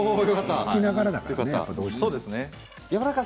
聞きながらですからね。